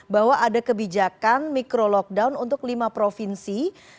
bahwa ada kebijakan mikro lockdown untuk lima provinsi